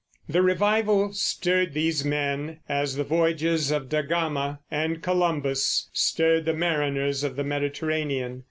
The Revival stirred these men as the voyages of Da Gama and Columbus stirred the mariners of the Mediterranean.